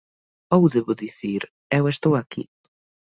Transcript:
Ou debo dicir... eu estou aquí.